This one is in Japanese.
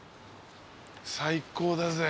最高だぜ。